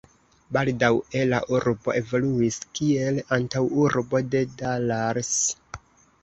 Baldaŭe la urbo evoluis, kiel antaŭurbo de Dallas.